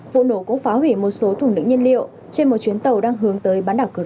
vụ nổ cũng phá hủy một số thủng nữ nhiên liệu trên một chuyến tàu đang hướng tới bán đảo crimea